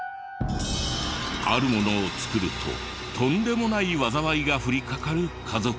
あるものを作るととんでもない災いが降りかかる家族が。